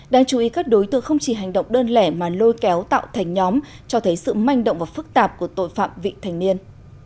đáng chú ý các đối tượng không chỉ hành động đơn lẻ mà lôi kéo tạo thành nhóm cho thấy sự manh động và phức tạp của tội phạm vị thành niên